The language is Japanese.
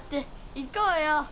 行こうよ。